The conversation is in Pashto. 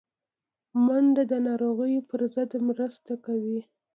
منډه د ناروغیو پر ضد مرسته کوي